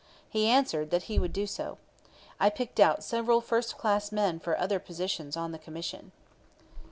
He answered that he would do so. I picked out several first class men for other positions on the Commission.